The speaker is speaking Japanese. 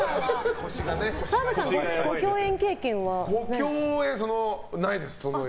澤部さん、ご共演経験は？ないです。